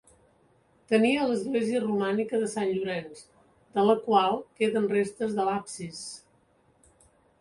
Tenia l'església romànica de Sant Llorenç, de la qual queden restes de l'absis.